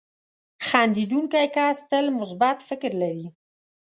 • خندېدونکی کس تل مثبت فکر لري.